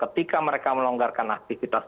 ketika mereka melonggarkan aktivitas